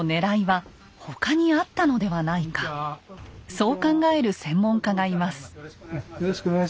そう考える専門家がいます。